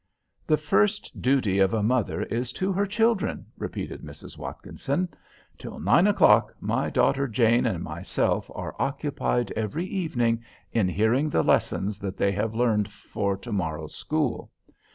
"The first duty of a mother is to her children," repeated Mrs. Watkinson. "Till nine o'clock, my daughter Jane and myself are occupied every evening in hearing the lessons that they have learned for to morrow's school.